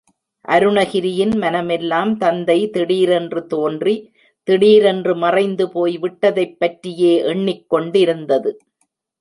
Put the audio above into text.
அருணகிரியின் மனமெல்லாம் தந்தை திடீரென்று தோன்றி திடீரென்று மறைந்து விட்டதைப் பற்றியே எண்ணிக் கொண்டிருந்தது.